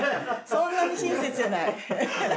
そんなに親切じゃない。